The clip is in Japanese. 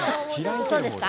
そうですか？